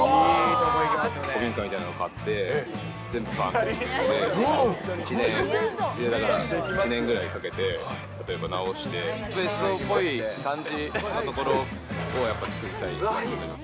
古民家みたいなのを買って、全部パーツを自分で買って、１年ぐらいかけて、例えば、直して、別荘っぽい感じのところをやっぱ作りたいですね。